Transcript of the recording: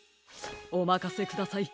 おまかせください。